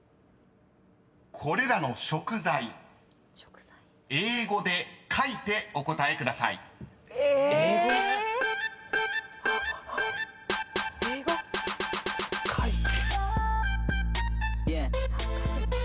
［これらの食材英語で書いてお答えください］いいの？